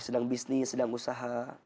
sedang bisnis sedang usaha